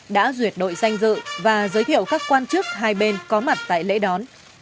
đã duyệt đội danh dự và giới thiệu các quan chức hai bên có mặt tại lễ đón